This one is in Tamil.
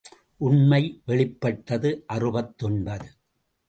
உண்மை வெளிப்பட்டது அறுபத்தொன்பது.